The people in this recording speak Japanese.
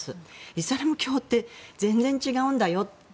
イスラム教って全然違うんだよって